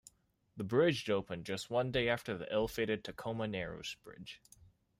The bridge opened just one day after the ill-fated Tacoma Narrows Bridge.